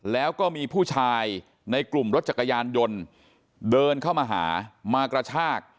แล้วก็มีผู้ชายในกลุ่มรถจักรยานยนต์เดินเข้ามาหามากระชาก